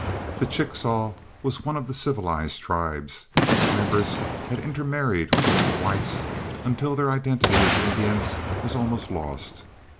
The Chickasaw was one of the civilized tribes; its members had intermarried with the whites until their identity as Indians was almost lost.